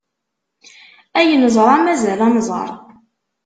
Ay neẓra, mazal ad nẓer!